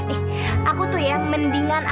eh aku tuh ya mendingan aku meluk pohon kemboyak ya